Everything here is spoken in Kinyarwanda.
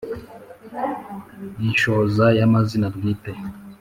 Inshoza ya mazina bwite